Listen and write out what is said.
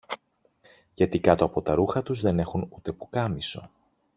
Γιατί κάτω από τα ρούχα τους δεν έχουν ούτε πουκάμισο!